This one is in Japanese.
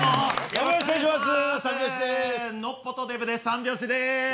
よろしくお願いします。